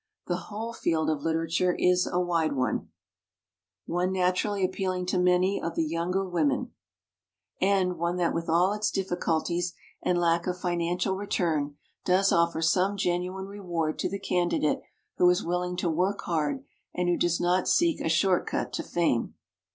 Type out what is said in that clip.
The whole field of literature is a wide one, one natu rally appealing to many of the younger women, and one that with all its difficulties and lack of financial return does offer some genuine reward to the candidate who is will ing to work hard and who does not seek a short cut to fame.